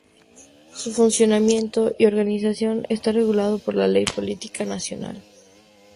Su funcionamiento y organización está regulado por la Ley de Policía Nacional.